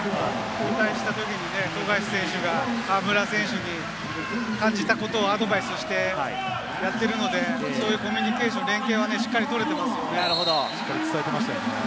引退したときに富樫選手が河村選手に感じたことをアドバイスしているので、そういうコミュニケーション、連係はしっかり取れていますよね。